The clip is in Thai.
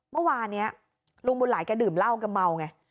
เมื่อวานนี้ลุงบุญหลายแกดื่มเหล้ากันเมาไง